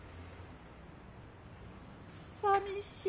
さみしい。